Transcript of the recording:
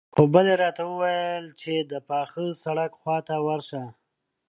خو بلې راته وويل چې د پاخه سړک خواته ورشه.